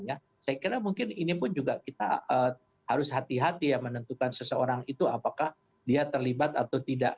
saya kira mungkin ini pun juga kita harus hati hati ya menentukan seseorang itu apakah dia terlibat atau tidak